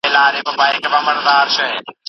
تاريخي پوښتنې تېر وخت ته ګوري.